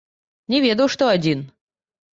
Не ведаў, што адзін.